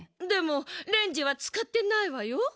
でもレンジは使ってないわよ。